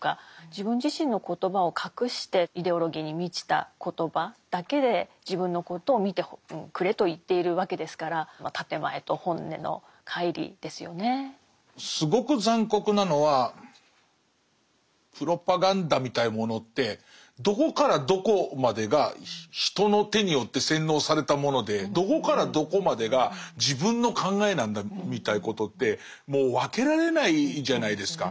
自分自身の言葉を隠してイデオロギーに満ちた言葉だけで自分のことを見てくれと言っているわけですからすごく残酷なのはプロパガンダみたいなものってどこからどこまでが人の手によって洗脳されたものでどこからどこまでが自分の考えなんだみたいなことってもう分けられないじゃないですか。